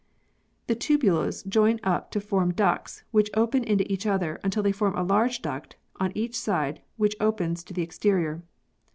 The tubules join up to form ducts which open into each other until they form a large duct on each side which opens to the exterior.